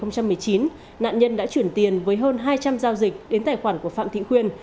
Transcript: nạn nhân đã chuyển tiền với hơn hai trăm linh giao dịch đến tài khoản của phạm thị khuyên